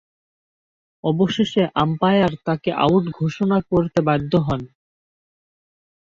অবশেষে আম্পায়ার তাকে আউট ঘোষণা করতে বাধ্য হন।